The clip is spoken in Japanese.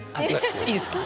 いいですか？